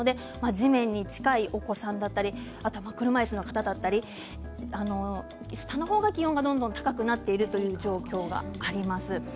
地面に近いお子さんや車いすの方下の方が気温がどんどん高くなっているという状況があります。